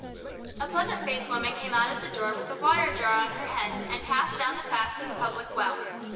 A pleasant faced woman came out of the door with a water jar on her head, and passed down the path to the public well.